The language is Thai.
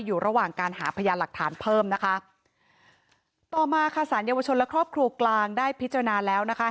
อยู่ระหว่างการหาพยานหลักฐานเพิ่มนะคะต่อมาค่ะสารเยาวชนและครอบครัวกลางได้พิจารณาแล้วนะคะ